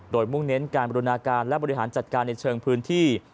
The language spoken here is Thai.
โดยมุ่งเน้นการบริหารจัดการในเชิงพื้นที่